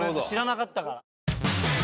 知らなかったから。